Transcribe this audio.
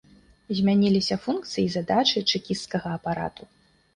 Змяніліся функцыі і задачы чэкісцкага апарату.